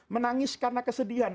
menangis karena kesedihan